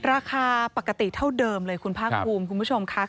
ราคาปกติเท่าเดิมเลยคุณภาคภูมิคุณผู้ชมค่ะ